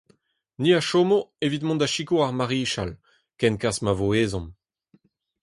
Ni a chomo evit mont da sikour ar marichal, ken kaz ma vo ezhomm.